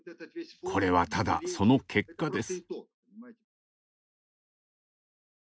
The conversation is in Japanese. これはただその結果です。